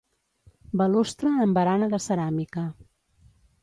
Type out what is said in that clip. Balustre amb barana de ceràmica.